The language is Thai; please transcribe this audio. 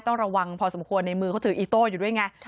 ต้องระวังพอสมควรในมือเขาถืออีโต้อยู่ด้วยไง